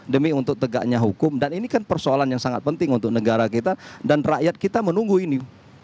demi untuk tegaknya hukum dan ini kan persoalan yang sangat penting untuk negara kita dan rakyat kita menunggu ini